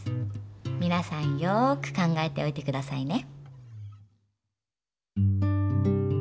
みなさんよく考えておいてくださいね。